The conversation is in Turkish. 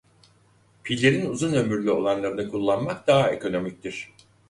Pillerin uzun ömürlü olanlarını kullanmak daha ekonomiktir.